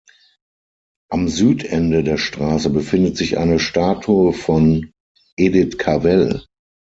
Am Südende der Straße befindet sich eine Statue von Edith Cavell.